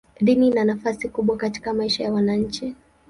Dini ina nafasi kubwa katika maisha ya wananchi.